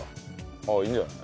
ああいいんじゃない？